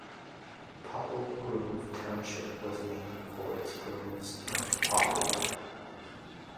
Popple Grove Township was named for its groves of poplar.